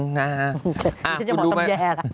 ให้ฉันเชิงด้วย